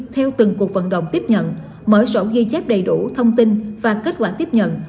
theo từng cuộc vận động tiếp nhận mở sổ ghi chép đầy đủ thông tin và kết quả tiếp nhận